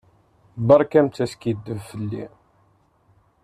Beṛkamt askiddeb fell-i.